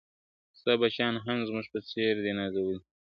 ستا بچیان هم زموږ په څېر دي نازولي؟ ..